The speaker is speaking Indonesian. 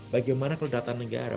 bagaimana kalau data negara